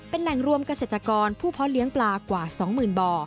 เป็นแหล่งรวมเกษตรกรผู้เพาะเลี้ยงปลากว่า๒๐๐๐บ่อ